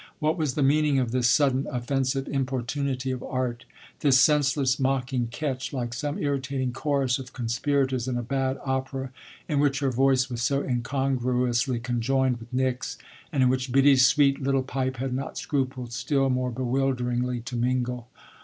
What was the meaning of this sudden, offensive importunity of "art," this senseless, mocking catch, like some irritating chorus of conspirators in a bad opera, in which her voice was so incongruously conjoined with Nick's and in which Biddy's sweet little pipe had not scrupled still more bewilderingly to mingle?